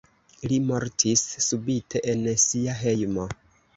Li mortis subite en sia hejmo.